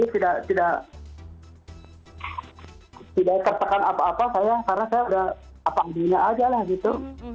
tapi tidak tertekan apa apa saya karena saya sudah apa apanya aja lah gitu